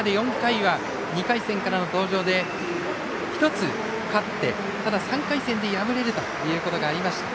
これまで４回は２回戦からの登場で１つ勝って、３回戦で敗れるということがありました。